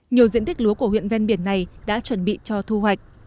nhiều diện tích lúa của huyện ven biển này đã chuẩn bị cho thu hoạch